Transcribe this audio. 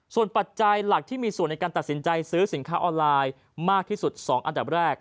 ส่วนปัจจัยหลักที่มีส่วนในการตัดสินใจซื้อสินค้าออนไลน์มากที่สุด๒อันดับแรก